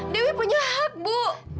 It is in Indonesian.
dewi punya hak ibu